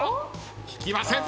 引きません。